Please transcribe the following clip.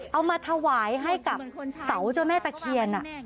เอามาถวายให้กับเสาเจ้าแม่ตะเคียน